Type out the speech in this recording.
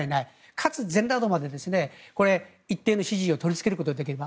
かつ、全羅道までこれ、一定の支持を取りつけることができれば。